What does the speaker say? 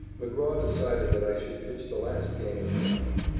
McGraw decided that I should pitch the last game as well.